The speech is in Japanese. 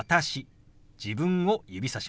自分を指さします。